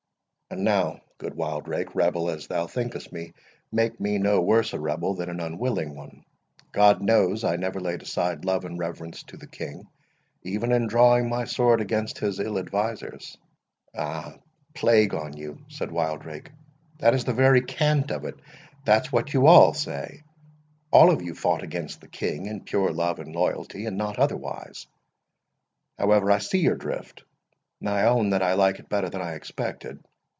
And now, good Wildrake, rebel as thou thinkest me, make me no worse a rebel than an unwilling one. God knows, I never laid aside love and reverence to the King, even in drawing my sword against his ill advisers." "Ah, plague on you," said Wildrake, "that is the very cant of it—that's what you all say. All of you fought against the King in pure love and loyalty, and not otherwise. However, I see your drift, and I own that I like it better than I expected.